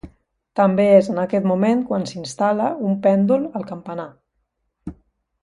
També és en aquest moment quan s'instal·la un pèndol al campanar.